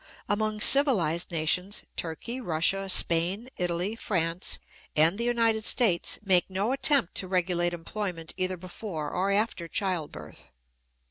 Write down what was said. Among civilized nations Turkey, Russia, Spain, Italy, France, and the United States make no attempt to regulate employment either before or after childbirth.